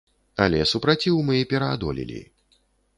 Але супраціў мы пераадолелі.